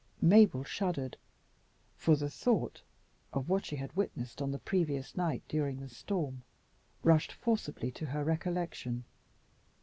Mabel shuddered, for the thought of what she had witnessed on the previous night during the storm rushed forcibly to her recollection.